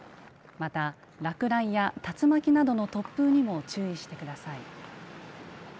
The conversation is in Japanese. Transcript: また、落雷や竜巻などの突風にも注意してください。